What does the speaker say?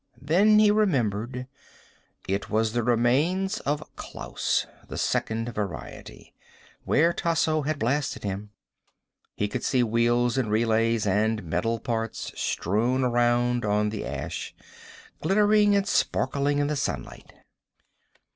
Then he remembered. It was the remains of Klaus. The Second Variety. Where Tasso had blasted him. He could see wheels and relays and metal parts, strewn around on the ash. Glittering and sparkling in the sunlight.